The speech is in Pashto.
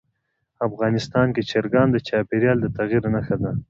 افغانستان کې چرګان د چاپېریال د تغیر نښه ده.